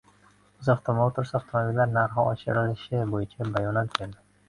UzAuto Motors avtomobillar narxi oshirilishi bo‘yicha bayonot berdi